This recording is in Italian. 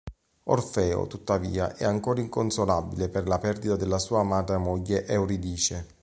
Orfeo, tuttavia, è ancora inconsolabile per la perdita della sua amata moglie Euridice.